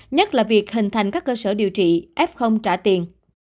nhất là việc hình thành các cơ sở điều trị f trả tiền